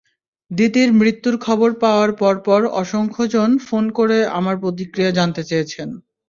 দিতির মৃত্যুর খবর পাওয়ার পরপর অসংখ্যজন ফোন করে আমার প্রতিক্রিয়া জানতে চেয়েছেন।